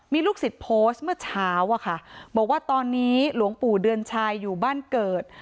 มีลูกศิษย์โพสต์เมื่อเช้าอะค่ะบอกว่าตอนนี้หลวงปู่เดือนชัยอยู่บ้านเกิด